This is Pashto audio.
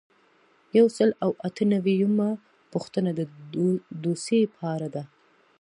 یو سل او اته نوي یمه پوښتنه د دوسیې په اړه ده.